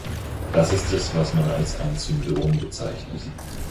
Das ist es, was man als ein Syndrom bezeichnet.